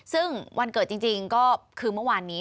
ซึ่งวันเกิดจริงก็คือเมื่อวานนี้